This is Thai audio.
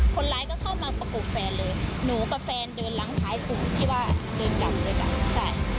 คนร้ายก็เข้ามาประกบแฟนเลยหนูกับแฟนเดินหลังท้ายกลุ่มที่ว่าเดินกลับเลยล่ะใช่